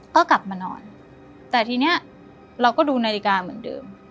ก็กลับมานอนแต่ทีนี้เราก็ดูนาฬิกาเหมือนเดิม